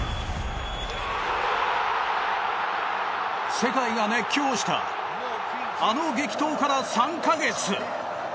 世界が熱狂したあの激闘から３か月。